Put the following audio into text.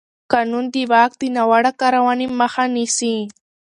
قانون د واک د ناوړه کارونې مخه نیسي.